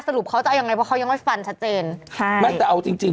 รุปเขาจะเอายังไงเพราะเขายังไม่ฟันชัดเจนใช่ไม่แต่เอาจริงจริง